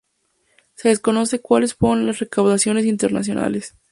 Se desconoce cuales fueron las recaudaciones internacionales.